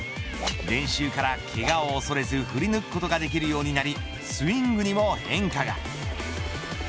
練習からけがを恐れず振り抜くことができるようになりスイングにも変化が。